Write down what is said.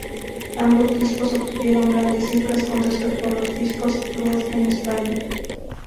Ambos discos obtuvieron grandes cifras con respecto a los discos Blues en España.